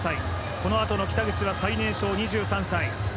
このあとの北口は最年少、２３歳。